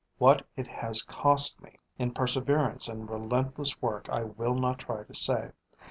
What it has cost me in perseverance and relentless work I will not try to say.